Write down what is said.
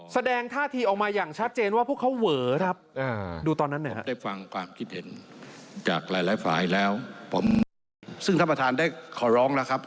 แสดงท่าทีออกมาอย่างชัดเจนว่าพวกเขาเวอครับดูตอนนั้นหน่อยครับ